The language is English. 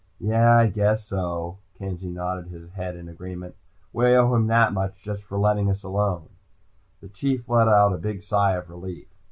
"Yeah. I guess so." Kenzie nodded his head in agreement. "We owe him that much for just letting us alone." The Chief let out a big sigh of relief.